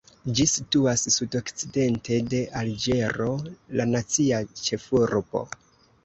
Ĝi situas sudokcidente de Alĝero, la nacia ĉefurbo.